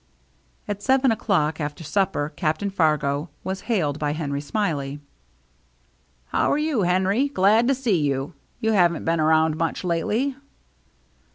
At seven o'clock, after supper. Captain Fargo was hailed by Henry Smiley. " How are you, Henry ? Glad to see you. You haven't been around much lately."